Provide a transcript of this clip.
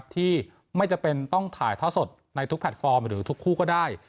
ที่ไม่จำเป็นต้องถ่ายท่อสดในทุกแพลตฟอร์มหรือทุกคู่ก็ได้